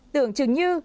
tưởng chừng như